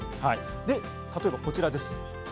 例えばこちらです。